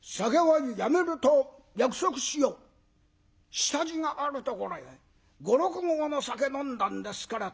下地があるところへ５６合の酒飲んだんですからたまりません。